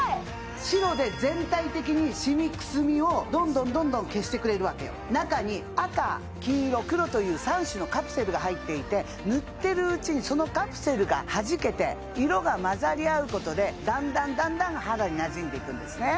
白で全体的にシミくすみをどんどん消してくれるわけよ中に赤黄色黒という３種のカプセルが入っていて塗ってるうちにそのカプセルがはじけて色が混ざり合うことでだんだんだんだん肌になじんでいくんですね